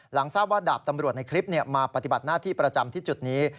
ทราบว่าดาบตำรวจในคลิปมาปฏิบัติหน้าที่ประจำที่จุดนี้